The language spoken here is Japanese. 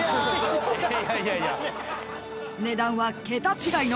［値段は桁違いの］